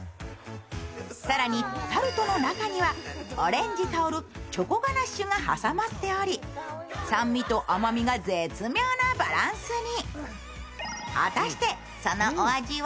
更に、タルトの中にはオレンジ香るチョコガナッシュが挟まっており酸味と甘みが絶妙なバランスに。